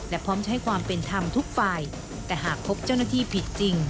และพร้อมใช้ความเป็นธรรมทุกฝ่ายแต่หากพบเจ้าหน้าที่ผิดจริง